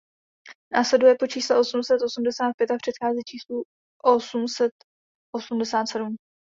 Následuje po čísle osm set osmdesát pět a předchází číslu osm set osmdesát sedm.